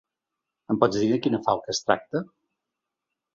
Ens pots dir de quina falca es tracta?